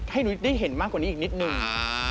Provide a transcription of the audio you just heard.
ให้นุ้ยได้เห็นมากกว่านี้อีกนิดนึง